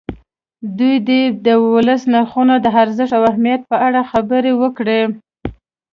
دوی دې د ولسي نرخونو د ارزښت او اهمیت په اړه خبرې وکړي.